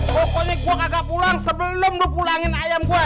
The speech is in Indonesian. pokoknya gua kagak pulang sebelum lu pulangin ayam gua